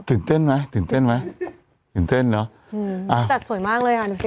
ตื่นเต้นไหมตื่นเต้นไหมตื่นเต้นเนอะอืมอ่าจัดสวยมากเลยค่ะดูสิ